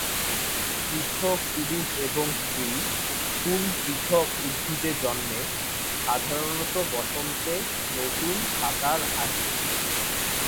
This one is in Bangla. পৃথক পুরুষ এবং স্ত্রী ফুল পৃথক উদ্ভিদে জন্মে, সাধারণত বসন্তে নতুন পাতার আগে।